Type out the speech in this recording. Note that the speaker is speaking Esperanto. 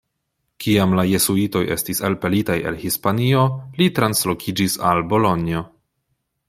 Kiam la jezuitoj estis elpelitaj el Hispanio, li translokiĝis al Bolonjo.